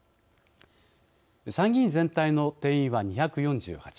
参議院全体の定員は２４８。